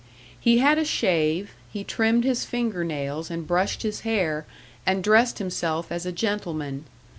He had a shave; he trimmed his finger nails, and brushed his hair, and dressed himself as a gentleman.